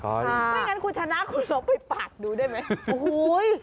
ใช่ไม่งั้นคุณชนะคุณหลบไปปากดูได้ไหม